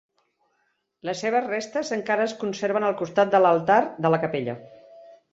Les seves restes encara es conserven al costat de l'altar de la capella.